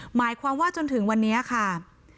หมายความว่าจนถึงวันนี้ค่ะ